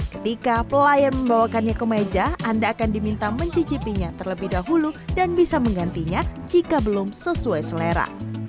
ketika pelayan membawakannya ke meja anda akan diminta mencicipinya terlebih dahulu dan bisa menggantinya jika belum sesuai selera